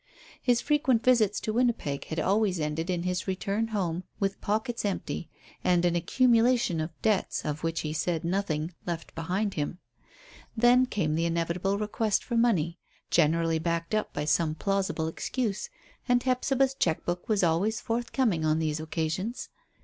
His frequent visits to Winnipeg had always ended in his return home with pockets empty, and an accumulation of debts, of which he said nothing, left behind him. Then came the inevitable request for money, generally backed up by some plausible excuse, and Hephzibah's cheque book was always forthcoming on these occasions.